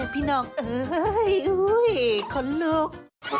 พี่น้องเอ่ยอุ๊ยคนลูก